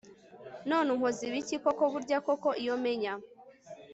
none unkoze ibiki koko byurya koko Iyo menya